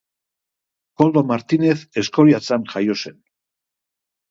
Koldo Martinez Eskoriatzan jaio zen.